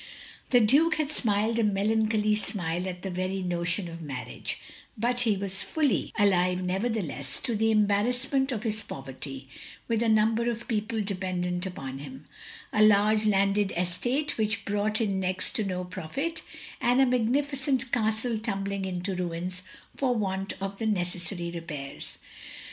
The Duke had smiled a melancholy smile at the very notion of marriage; but he was fully 829 230 THE LONELY LADY alive, nevertheless, to the embarrassment of his poverty; with a number of people dependent upon him; a large landed estate which brought in next to no profit, and a magnificent castle tum bling into ruins for want of the necessary repairs.